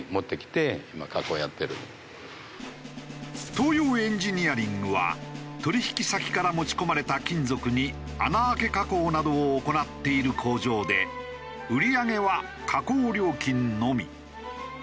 東洋エンヂニアリングは取引先から持ち込まれた金属に穴あけ加工などを行っている工場で売り上げは加工料金のみ。